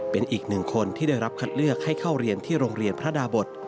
เป็นอีกหนึ่งคนที่ได้รับคัดเลือกให้เข้าเรียนที่โรงเรียนพระดาบท